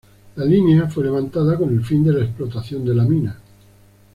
La línea fue levantada con el fin de la explotación de la mina.